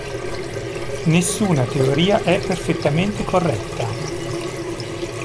Nessuna teoria è perfettamente corretta.